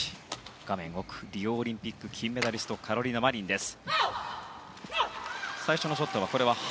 画面奥、リオオリンピック金メダリストカロリナ・マリンです。